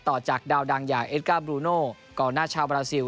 ต่อจากดาวดังอย่างเอสก้าบรูโนกองหน้าชาวบราซิล